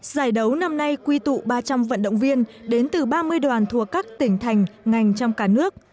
giải đấu năm nay quy tụ ba trăm linh vận động viên đến từ ba mươi đoàn thuộc các tỉnh thành ngành trong cả nước